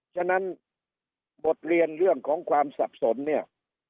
ฉะนั้นบทเรียนเรื่องของความสับสนเนี่ย